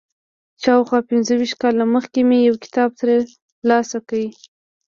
شاوخوا پنځه ویشت کاله مخکې مې یو کتاب تر لاسه کړ.